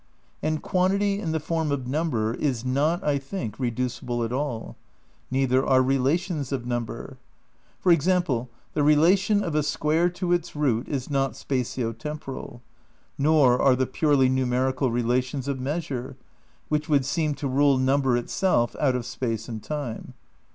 And quantity in the form of Number is not, I think, reducible at all. Neither are relations of number. For example, the relation of a square to its root is not spatio temporal; nor are the purely numerical rela tions of measure, which would seem to rule number it self out of space and time.